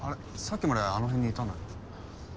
さっきまであの辺にいたのに。